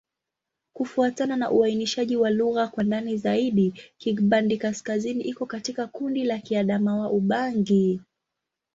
Kufuatana na uainishaji wa lugha kwa ndani zaidi, Kingbandi-Kaskazini iko katika kundi la Kiadamawa-Ubangi.